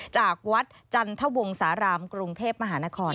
จากวัดจันทวงสารามกรุงเทพมหานคร